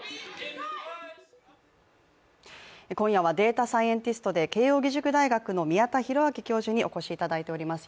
今夜はデータサイエンティストで慶応義塾大学の宮田裕章教授にお越しいただいております。